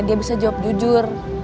dia bisa jawab jujur